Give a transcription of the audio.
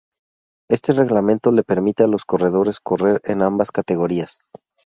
Este reglamento le permite a los corredores correr en ambas categorías.